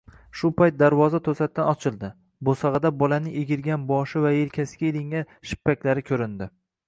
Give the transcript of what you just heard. Shu payt darvoza toʻsatdan ochildi, boʻsagʻada bolaning egilgan boshi va yelkasiga ilingan shippaklari koʻrindi.